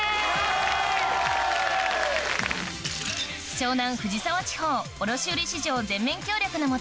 湘南藤沢地方卸売市場全面協力の下